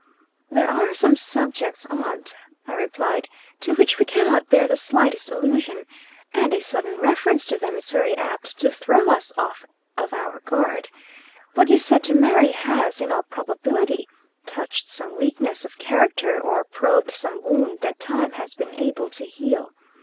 "There are some subjects, aunt," I replied, "to which we cannot bear the slightest allusion. And a sudden reference to them is very apt to throw us off of our guard. What you said to Mary, has, in all probability, touched some weakness of character, or probed some wound that time has been able to heal.